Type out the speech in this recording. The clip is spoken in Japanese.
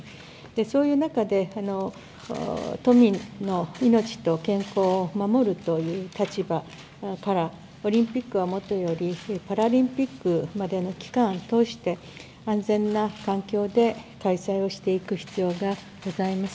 そういう中で、都民の命と健康を守るという立場から、オリンピックは元より、パラリンピックまでの期間を通して、安全な環境で開催をしていく必要がございます。